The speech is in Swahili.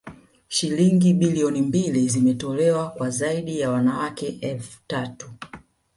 Shilingi bilioni mbili zimetolewa kwa zaidi ya wanawake elfu tatu